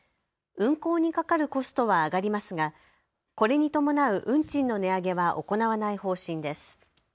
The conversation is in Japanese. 運航にかかるコストは上がりますが、これに伴う運賃の値上げは行わない方針です。